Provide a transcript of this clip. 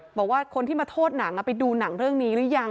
บอกว่าคนที่มาโทษหนังไปดูหนังเรื่องนี้หรือยัง